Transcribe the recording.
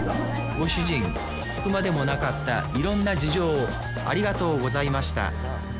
ご主人聞くまでもなかったいろんな事情をありがとうございました